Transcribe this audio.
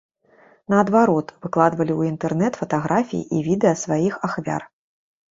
Наадварот, выкладвалі ў інтэрнэт фатаграфіі і відэа сваіх ахвяр.